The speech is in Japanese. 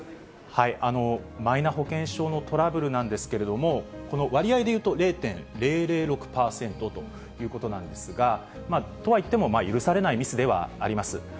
マイナ保険証のトラブルなんですけれども、この割合でいうと０．００６％ということなんですが、とはいっても、許されないミスではあります。